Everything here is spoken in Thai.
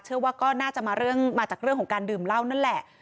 เชื่อว่าก็น่าจะมาจากเรื่องของการดื่มเหล้านั่นแหละ